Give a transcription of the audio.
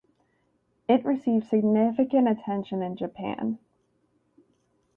It received significant attention in Japan.